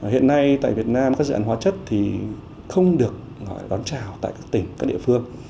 hiện nay tại việt nam các dự án hóa chất thì không được đón chào tại các tỉnh các địa phương